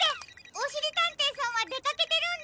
おしりたんていさんはでかけてるんだ！